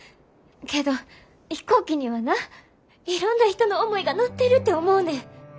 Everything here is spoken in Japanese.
けど飛行機にはないろんな人の思いが乗ってるて思うねん。